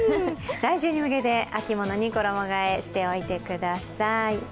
来週に向けて秋物に衣がえしておいてください。